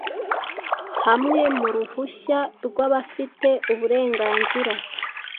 hamwe nu ruhushya rwabafite uburenganzira